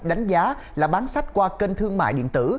đánh giá là bán sách qua kênh thương mại điện tử